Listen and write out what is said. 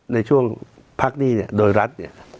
ในช่วงพักหนี้โดยรัฐ